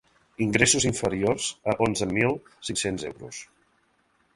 Ingressos inferiors a onzen mil cinc-cents euros.